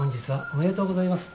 おめでとうございます。